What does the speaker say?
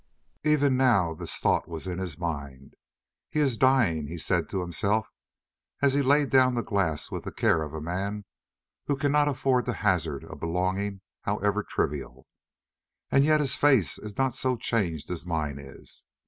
Even now this thought was in his mind: "He is dying," he said to himself, as he laid down the glass with the care of a man who cannot afford to hazard a belonging however trivial, "and yet his face is not so changed as mine is.